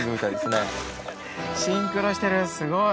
シンクロしてるすごい。